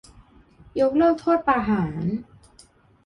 ยกเลิกโทษประหาร ?